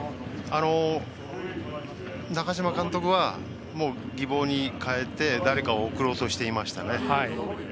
中嶋監督は宜保に代えて誰かを送ろうとしていましたね。